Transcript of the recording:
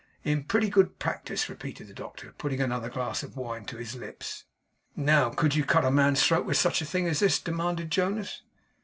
'In a pretty good practice,' repeated the doctor, putting another glass of wine to his lips. 'Now, could you cut a man's throat with such a thing as this?' demanded Jonas.